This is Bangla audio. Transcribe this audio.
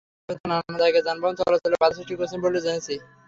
তবে তাঁরা নানা জায়গায় যানবাহন চলাচলে বাধা সৃষ্টি করছেন বলে জেনেছি।